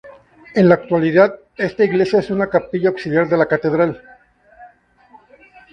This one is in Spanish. En la actualidad, esta iglesia es una capilla auxiliar de la Catedral.